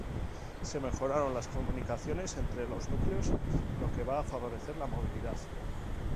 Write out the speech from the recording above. Se mejoraron las comunicaciones entre los núcleos, lo que va a favorecer la movilidad.